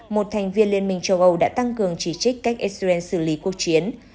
một thành viên liên minh châu âu đã tăng cường chỉ trích cách israel xử lý cuộc chiến